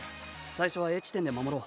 最初はＡ地点で守ろう。